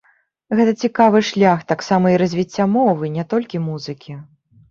Гэта цікавы шлях таксама і развіцця мовы, не толькі музыкі.